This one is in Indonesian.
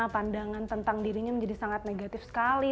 pandangan tentang dirinya menjadi sangat negatif sekali